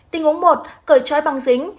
tình huống một cởi chói bằng dính